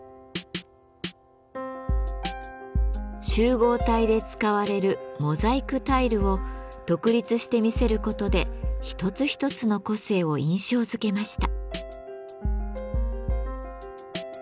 集合体で使われるモザイクタイルを独立して見せることで一つ一つの個性を印象づけました。